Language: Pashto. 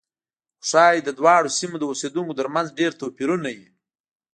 خو ښایي د دواړو سیمو د اوسېدونکو ترمنځ ډېر توپیرونه وي.